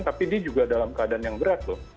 tapi dia juga dalam keadaan yang berat loh